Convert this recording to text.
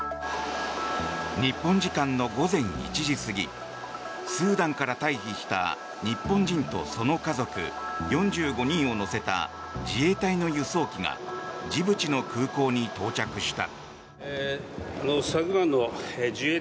日本時間の午前１時過ぎスーダンから退避した日本人とその家族４５人を乗せた自衛隊の輸送機がジブチの空港に到着した。